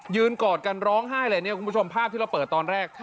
กอดกันร้องไห้เลยเนี่ยคุณผู้ชมภาพที่เราเปิดตอนแรก